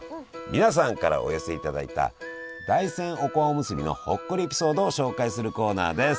皆さんからお寄せいただいた大山おこわおむすびのほっこりエピソードを紹介するコーナーです！